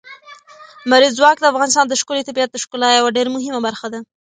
لمریز ځواک د افغانستان د ښکلي طبیعت د ښکلا یوه ډېره مهمه برخه ده.